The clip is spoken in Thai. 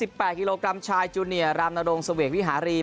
อีก๑คนครับ๕๘กิโลกรัมชายจูเนียรามนโดงเสวียกวิหารี